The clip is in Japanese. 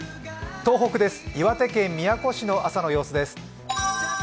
東北です、岩手県宮古市の朝の様子です。